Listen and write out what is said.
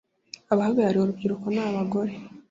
abahagarariye urubyiruko n abagore